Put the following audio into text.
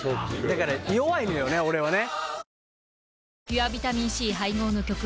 だから弱いのよね俺はね。